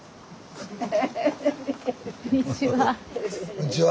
こんにちは。